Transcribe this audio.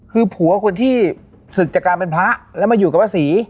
คือผัวคนที่ศึกจากการเป็นพระแล้วมาอยู่กับพระศรี